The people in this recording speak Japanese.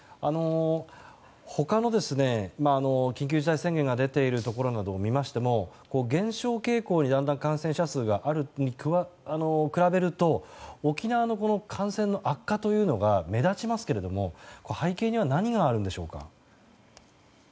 他の緊急事態宣言が出ているところなどを見ましても減少傾向にだんだん感染者数があるのに比べると沖縄の感染の悪化というのが目立ちますけれども背景には何があるんでしょうか？